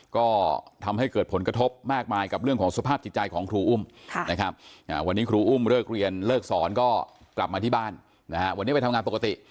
ก็ทำให้เกิดผลกระทบมากมายกับเรื่องของสภาพจิตใจของครูอุ้มนะครับวันนี้ครูอุ้มเลิกเรียนเลิกสอนก็กลับมาที่บ้านนะฮะวันนี้ไปทำงานปกติ